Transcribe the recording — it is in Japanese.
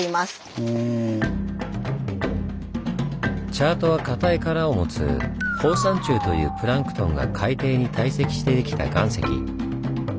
チャートは硬い殻を持つ放散虫というプランクトンが海底に堆積してできた岩石。